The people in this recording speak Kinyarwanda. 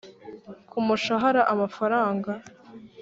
Ku mushahara amafaranga